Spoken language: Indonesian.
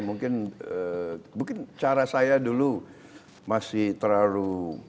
mungkin cara saya dulu masih terlalu